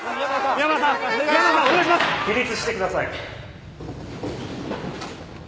起立してください。